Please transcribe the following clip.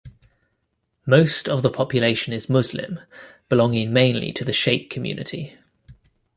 Most of the population is Muslim, belonging mainly to the Shaikh community.